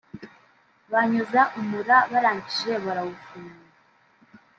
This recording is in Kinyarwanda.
banyoza umura barangije barawufunga